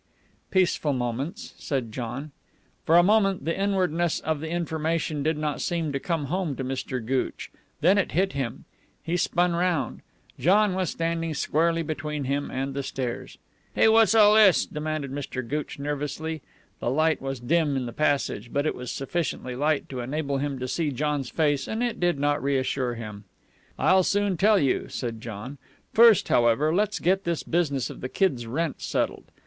"Peaceful Moments," said John. For a moment the inwardness of the information did not seem to come home to Mr. Gooch. Then it hit him. He spun round. John was standing squarely between him and the stairs. "Hey, what's all this?" demanded Mr. Gooch nervously. The light was dim in the passage, but it was sufficiently light to enable him to see John's face, and it did not reassure him. "I'll soon tell you," said John. "First, however, let's get this business of the kid's rent settled.